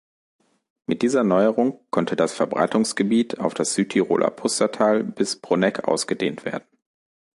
Mit dieser Neuerung konnte das Verbreitungsgebiet auf das Südtiroler Pustertal bis Bruneck ausgedehnt werden.